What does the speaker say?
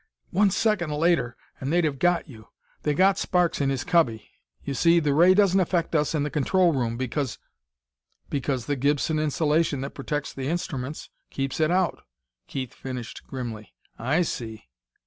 "One second later and they'd have got you.... They got Sparks in his cubby.... You see, the ray doesn't affect us in the control room because " "Because the Gibson insulation that protects the instruments keeps it out!" Keith finished grimly. "I see!"